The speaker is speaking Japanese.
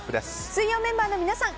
水曜メンバーの皆さん